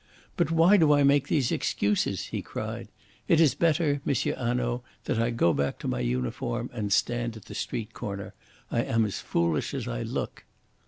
"But why do I make these excuses?" he cried. "It is better, M. Hanaud, that I go back to my uniform and stand at the street corner. I am as foolish as I look."